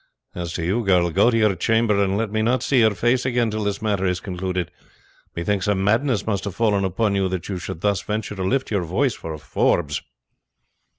As to you, girl, go to your chamber, and let me not see your face again till this matter is concluded. Methinks a madness must have fallen upon you that you should thus venture to lift your voice for a Forbes."